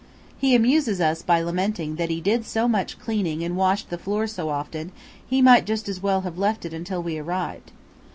He also amuses us by lamenting that he did so much cleaning and washed the floors so often; he might just as well have left it until we arrived.